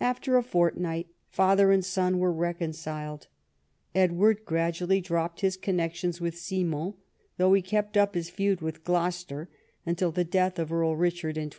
After a fortnight father and son were reconciled. Edward gradually dropped his connections with Simon, though he kept up his feud with Gloucester until the death of Earl Eichard in 1262.